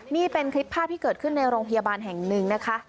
นี่เป็นคลิปภาพที่เกิดขึ้นในโรงพยาบาลแห่งหนึ่งนะคะ